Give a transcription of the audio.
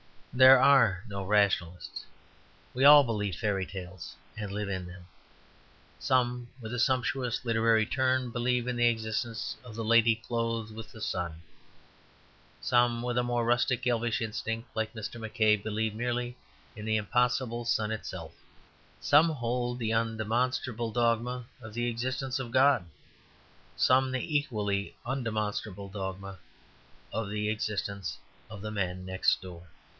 There are no rationalists. We all believe fairy tales, and live in them. Some, with a sumptuous literary turn, believe in the existence of the lady clothed with the sun. Some, with a more rustic, elvish instinct, like Mr. McCabe, believe merely in the impossible sun itself. Some hold the undemonstrable dogma of the existence of God; some the equally undemonstrable dogma of the existence of the man next door.